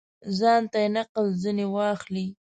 ځانته یې نقل ځني واخلي.